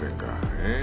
ええ？